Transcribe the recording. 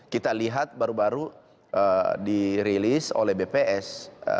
kita lihat baru baru di rilis oleh bps